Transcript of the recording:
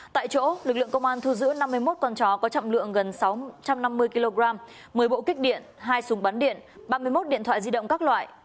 tại chỗ lực lượng công an thu giữ năm mươi một con chó có trọng lượng gần sáu trăm năm mươi kg một mươi bộ kích điện hai súng bắn điện ba mươi một điện thoại di động các loại